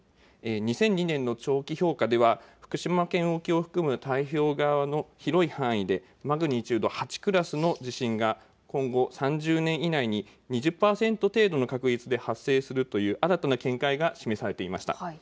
２００２年の長期評価では福島県沖を含む大平洋側の広い範囲でマグニチュード８クラスの地震が今後３０年以内に２０％程度の確率で発生するという新たな見解が示されていました。